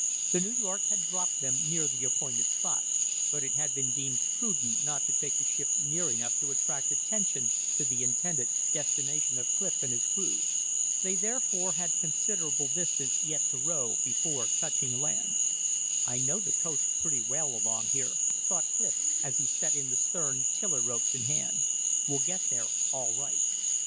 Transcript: The New York had dropped them near the appointed spot, but it had been deemed prudent not to take the ship near enough to attract attention to the intended destination of Clif and his crew. They therefore had considerable distance yet to row before touching land. "I know the coast pretty well along here," thought Clif, as he set in the stern, tiller ropes in hand. "We'll get there all right."